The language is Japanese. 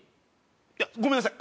いやごめんなさい。